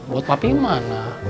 buat papi mana